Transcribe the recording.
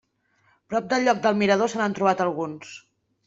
Prop del lloc del Mirador se n'han trobat alguns.